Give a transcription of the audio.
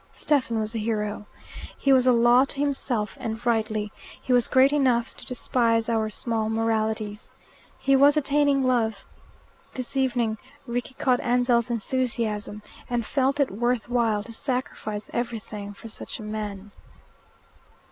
Stephen was a hero. He was a law to himself, and rightly. He was great enough to despise our small moralities. He was attaining love. This evening Rickie caught Ansell's enthusiasm, and felt it worth while to sacrifice everything for such a man.